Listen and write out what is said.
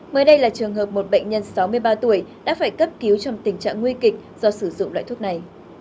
mới đây là trường hợp một bệnh nhân sáu mươi ba tuổi đã phải cấp cứu trong tình trạng nguy kịch do sử dụng loại thuốc này